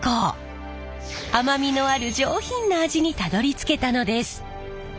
甘みのある上品な味にたどりつけたのです。